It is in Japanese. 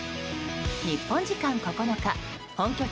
日本時間９日本拠地